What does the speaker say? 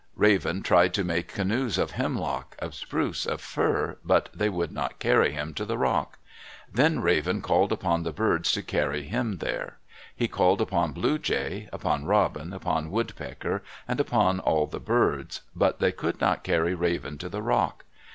Raven tried to make canoes of hemlock, of spruce, of fir, but they would not carry him to the rock. Then Raven called upon the birds to carry him there. He called upon Bluejay, upon Robin, upon Woodpecker, and upon all the birds. But they could not carry Raven to the rock.